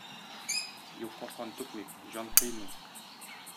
Юкка кан түкмик, җан кыймыйк.